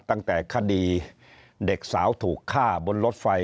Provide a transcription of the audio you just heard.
ตั้งแต่คดีเด็กสาวถูกฆ่าบนรถไฟ